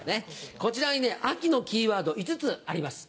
こちらに秋のキーワード５つあります。